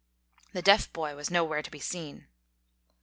The deaf boy was nowhere to be seen.